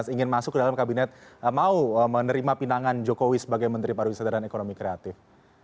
ingin masuk ke dalam kabinet mau menerima pinangan jokowi sebagai menteri pariwisata dan ekonomi kreatif